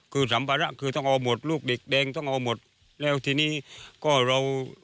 คือสัมภาระคือต้องเอาหมดลูกเด็กแดงต้องเอาหมดแล้วทีนี้ก็เรา